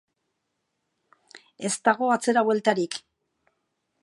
Ez dago atzera bueltarik.